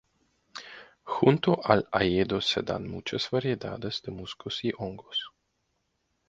Junto al hayedo se dan muchas variedades de musgos y hongos.